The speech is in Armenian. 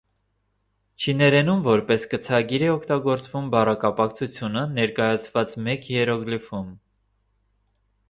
Չինարենում որպես կցագիր է օգտագործվում բառակապակցությունը՝ ներկայացված մեկ հիերոգլիֆում։